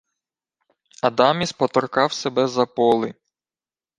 Адаміс поторкав себе за поли: